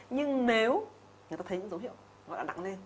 nhưng nếu người ta thấy những dấu hiệu nó đã nặng lên